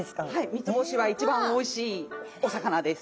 三つ星は一番おいしいお魚です。